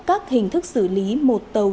các hình thức xử lý một tàu